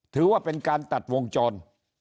ถือว่าเป็นการตัดวงจร